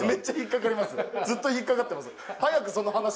ずっと引っかかってます。